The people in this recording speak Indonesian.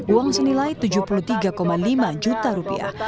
uang senilai tujuh puluh tiga lima juta rupiah